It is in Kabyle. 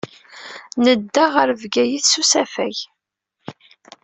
Nedda ɣer Bgayet s usafag.